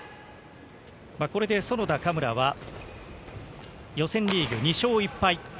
これで園田・嘉村は予選リーグ２勝１敗。